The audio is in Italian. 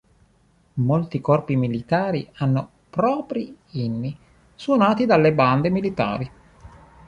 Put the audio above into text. Molti corpi militari hanno propri inni, suonati dalle bande militari.